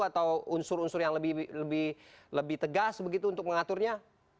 atau unsur unsur yang lebih tegas begitu untuk mengaturnya